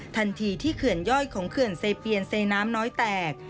ทันทีที่เขื่อนย่อยของเขื่อนเซเปียนเซน้ำน้อยแตก